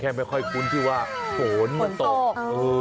แค่ไม่ค่อยคุ้นที่ว่าฝนตก